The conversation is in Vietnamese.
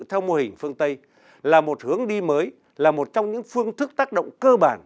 theo mô hình phương tây là một hướng đi mới là một trong những phương thức tác động cơ bản